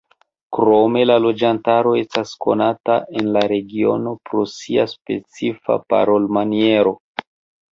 Krome la loĝantaro estas konata en la regiono pro sia specifa parolmaniero.